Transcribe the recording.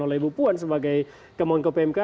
oleh bu puan sebagai kemenko pmk